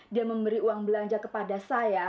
dia memberi uang belanja kepada saya